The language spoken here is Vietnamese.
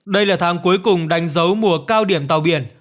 đây là tháng cuối cùng đánh dấu mùa cao điểm tàu biển hai nghìn hai mươi một